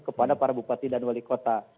kepada para bupati dan wali kota